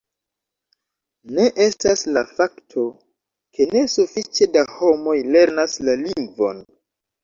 Ne estas la fakto, ke ne sufiĉe da homoj lernas la lingvon.